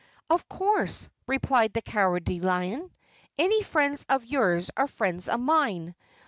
"Of course," replied the Cowardly Lion, "any friends of yours are friends of mine.